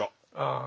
ああ。